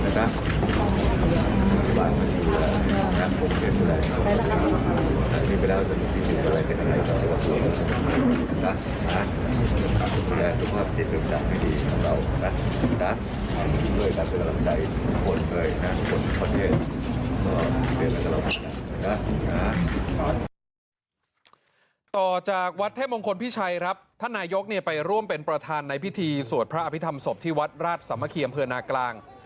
กลับมาก่อนนะต่อจากวัดเทพมงคลพิชัยครับท่านหน่ายกไปร่วมเป็นประธานในพิธีสวดพระอภิษฐรรมศพที่วัดราชสำเมฆียมเผือนากลาง